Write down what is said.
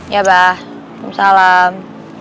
ya abah salam